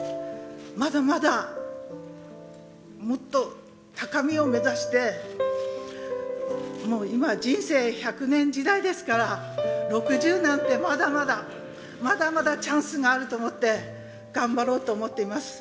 まだまだもっと高みを目指してもう今人生百年時代ですから６０なんてまだまだまだまだチャンスがあると思って頑張ろうと思っています。